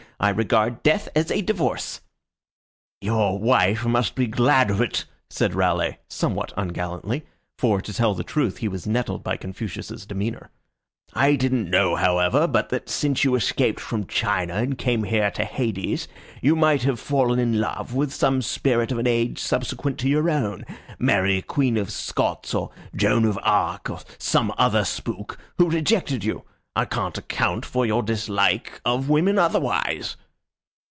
I regard death as a divorce." "Your wife must be glad of it," said Raleigh, somewhat ungallantly; for, to tell the truth, he was nettled by Confucius's demeanor. "I didn't know, however, but that since you escaped from China and came here to Hades you might have fallen in love with some spirit of an age subsequent to your own Mary Queen of Scots, or Joan of Arc, or some other spook who rejected you. I can't account for your dislike of women otherwise."